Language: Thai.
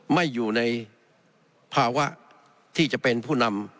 ไม่อยู่ในภาวะที่จะเป็นผู้นำ